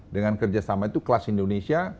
dengan kerjasama itu kelas indonesia